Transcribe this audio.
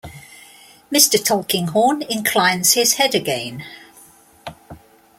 Mr. Tulkinghorn inclines his head again.